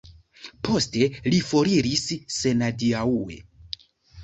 Poste li foriris senadiaŭe.